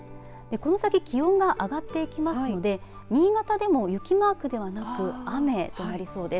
この先気温が上がっていきますので新潟でも雪マークではなく雨となりそうです。